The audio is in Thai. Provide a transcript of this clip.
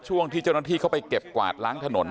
ช่วงที่เจ้าหน้าที่เข้าไปเก็บกวาดล้างถนน